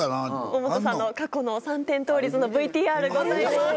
百田さんの過去の三点倒立のＶＴＲございます。